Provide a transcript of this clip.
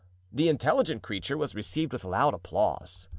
The intelligent creature was received with loud applause.